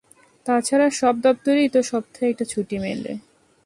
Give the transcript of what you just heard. তাছাড়া সব দপ্তরেই তো সপ্তাহে একটা ছুটি মিলে।